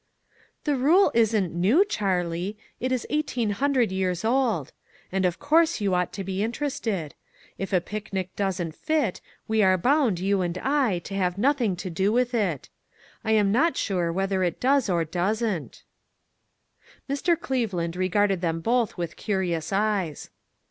"The rule isn't new, Charlie, it is eighteen hundred years old ; and of course you ought 4O ONE COMMONPLACE DAY. to be interested ; if a picnic doesn't fit, we are bound, you and I, to have nothing to do with it. I'm not sure whether it does or doesn't." Mr. Cleveland regarded them both with curious eyes.